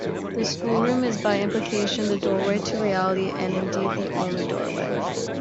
The schoolroom is by implication the doorway to reality, and indeed the only doorway.